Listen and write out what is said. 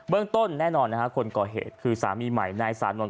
เรื่องต้นแน่นอนนะฮะคนก่อเหตุคือสามีใหม่นายสานนท